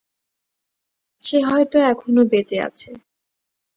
সে হয়তো এখনো বেঁচে আছে।